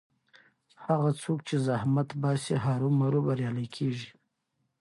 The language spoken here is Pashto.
هغه څوک چې زحمت باسي هرو مرو بریالی کېږي.